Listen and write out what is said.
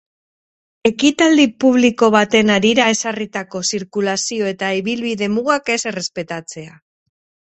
Ekitaldi publiko baten harira ezarritako zirkulazio eta ibilbide mugak ez errespetatzea.